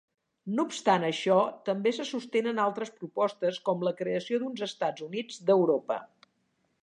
No obstant això, també se sostenen altres propostes com la creació d'uns Estats Units d'Europa.